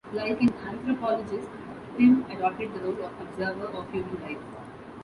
Like an anthropologist, Pym adopted the role of observer of human life.